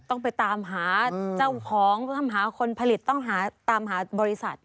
ต้องไปตามหาเจ้าของต้องหาคนผลิตต้องหาตามหาบริษัท